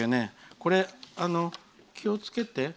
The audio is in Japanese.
これ、気をつけて。